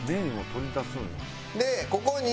でここに。